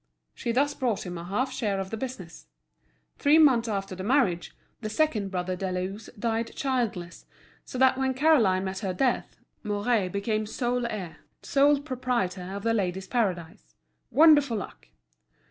She thus brought him a half share of the business. Three months after the marriage, the second brother Deleuze died childless; so that when Caroline met her death, Mouret became sole heir, sole proprietor of The Ladies' Paradise. Wonderful luck!